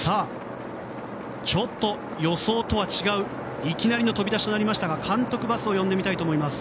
ちょっと予想とは違ういきなりの飛び出しとなりましたが監督バスを呼んでみたいと思います。